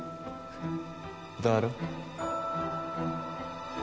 だろ？